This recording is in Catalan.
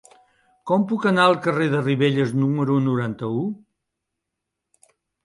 Com puc anar al carrer de Ribelles número noranta-u?